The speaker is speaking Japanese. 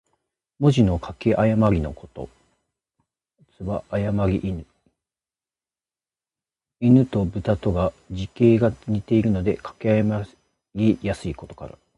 文字の書き誤りのこと。「譌」は誤りの意。「亥」と「豕」とが、字形が似ているので書き誤りやすいことから。